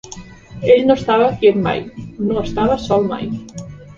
Ell no estava quiet mai, no estava sol mai.